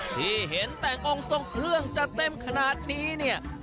ที่เห็นแต่งองค์ทรงเครื่องจะเต็มขนาดนี้เนี่ย